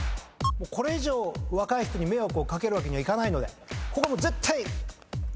これ以上若い人に迷惑を掛けるわけにはいかないのでここもう絶対。